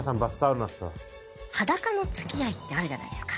裸の付き合いってあるじゃないですか。